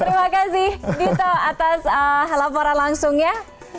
oke terima kasih dito atas laporan langsung ya